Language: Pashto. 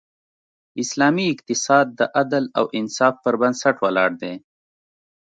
اسلامی اقتصاد د عدل او انصاف پر بنسټ ولاړ دی.